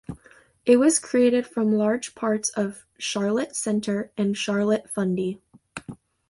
It was created from large parts of Charlotte Centre and Charlotte-Fundy.